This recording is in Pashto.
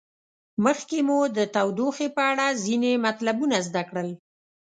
مخکې مو د تودوخې په اړه ځینې مطلبونه زده کړل.